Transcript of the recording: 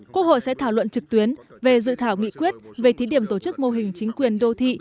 quốc hội sẽ thảo luận trực tuyến về dự thảo nghị quyết về thí điểm tổ chức mô hình chính quyền đô thị